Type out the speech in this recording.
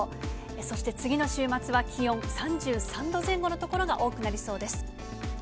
そして次の週末は気温３３度前後の所が多くなりそうです。